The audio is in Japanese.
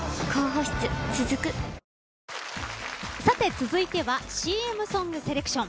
続いてはＣＭソングセレクション。